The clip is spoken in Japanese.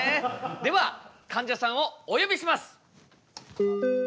ではかんじゃさんをお呼びします！